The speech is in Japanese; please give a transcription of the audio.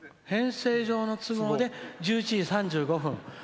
編成上の都合で１１時３５分。